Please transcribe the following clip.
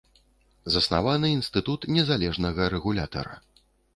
Заснаваны інстытут незалежнага рэгулятара.